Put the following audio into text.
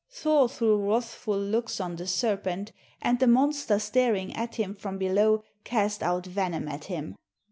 Thor threw wrathful looks on the serpent, and the monster staring at him from below cast out venom at him.